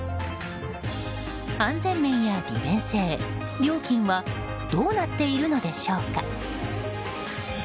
安全面や利便性、料金はどうなっているのでしょうか。